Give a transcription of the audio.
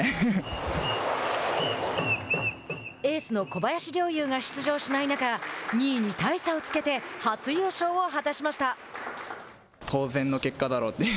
エースの小林陵侑が出場しない中２位に大差をつけて初優勝を果たしました。